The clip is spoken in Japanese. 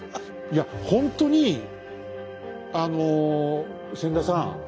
いやほんとにあの千田さん